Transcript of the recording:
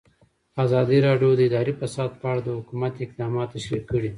ازادي راډیو د اداري فساد په اړه د حکومت اقدامات تشریح کړي.